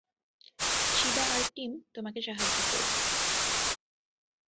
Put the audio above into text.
শিবা আর টিম তোমাকে সাহায্য করবে।